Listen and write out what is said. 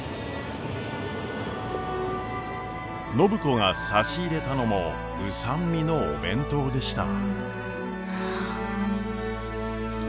暢子が差し入れたのも御三味のお弁当でした。